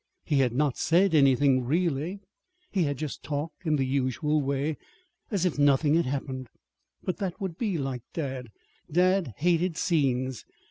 He had not said anything, really. He had just talked in the usual way, as if nothing had happened. But that would be like dad. Dad hated scenes.